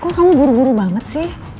kok kamu buru buru banget sih